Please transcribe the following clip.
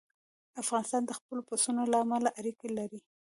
افغانستان د خپلو پسونو له امله اړیکې لري.